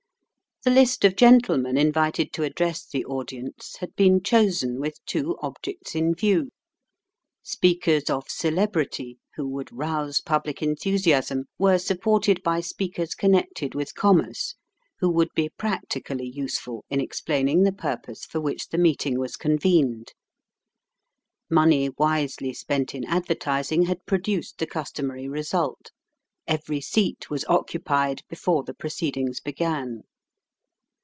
The list of gentlemen invited to address the audience had been chosen with two objects in view. Speakers of celebrity, who would rouse public enthusiasm, were supported by speakers connected with commerce, who would be practically useful in explaining the purpose for which the meeting was convened. Money wisely spent in advertising had produced the customary result: every seat was occupied before the proceedings began.